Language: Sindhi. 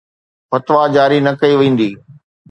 فتويٰ جاري نه ڪئي ويندي